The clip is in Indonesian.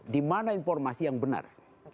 di mana informasi yang benar